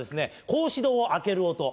格子戸を開ける音